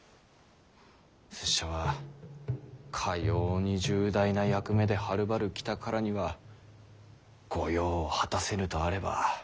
拙者はかように重大な役目ではるばる来たからには御用を果たせぬとあれば生きては戻れぬ。